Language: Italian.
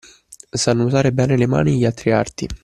Sanno usare bene le mani e gli altri arti